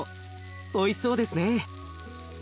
おいしそうですね。